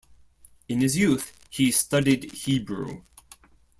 In his youth, he studied Hebrew.